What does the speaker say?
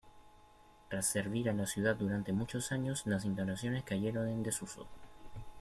Tras servir a la ciudad durante muchos años, las instalaciones cayeron en desuso.